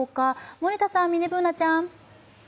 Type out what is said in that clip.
森田さん、ミニＢｏｏｎａちゃん。